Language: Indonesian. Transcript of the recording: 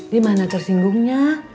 di mana tersinggungnya